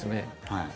はい。